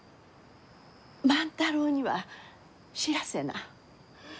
万太郎には知らせな。